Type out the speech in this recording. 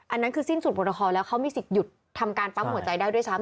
อันนั้นคือสิ้นสุดบทคอแล้วเขามีสิทธิ์หยุดทำการปั๊มหัวใจได้ด้วยซ้ำ